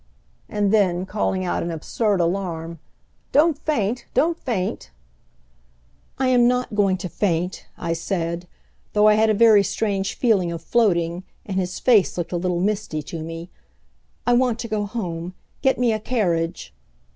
And then, calling out in absurd alarm, "Don't faint, don't faint!" "I am not going to faint," I said, though I had a very strange feeling of floating, and his face looked a little misty to me. "I want to go home. Get me a carriage!"